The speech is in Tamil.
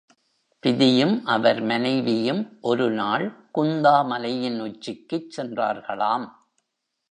பிதியும் அவர் மனைவியும், ஒரு நாள் குந்தா மலையின் உச்சிக்குச் சென்றார்களாம்.